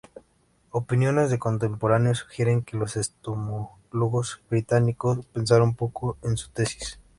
Opiniones de contemporáneos sugieren que los entomólogos británicos pensaron poco en su tesis.